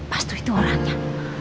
pastu itu orangnya